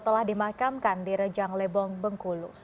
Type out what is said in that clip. telah dimakamkan di rejang lebong bengkulu